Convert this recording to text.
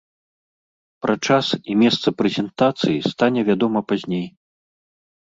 Пра час і месца прэзентацыі стане вядома пазней.